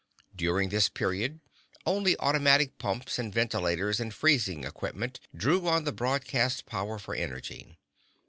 During this period only automatic pumps and ventilators and freezing equipment drew on the broadcast power for energy.